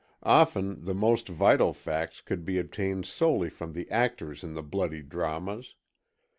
Often the most vital facts could be obtained solely from the actors in the bloody dramas.